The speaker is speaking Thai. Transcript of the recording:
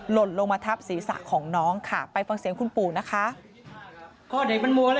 หล่นลงมาทับศีรษะของน้องค่ะไปฟังเสียงคุณปู่นะคะ